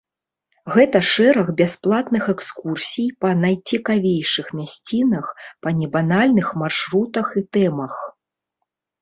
Гэта шэраг бясплатных экскурсій па найцікавейшых мясцінах, па небанальных маршрутах і тэмах.